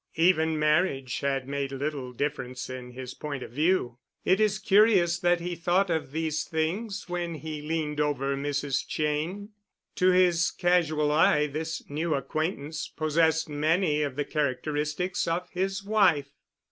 Even marriage had made little difference in his point of view. It is curious that he thought of these things when he leaned over Mrs. Cheyne. To his casual eye this new acquaintance possessed many of the characteristics of his wife.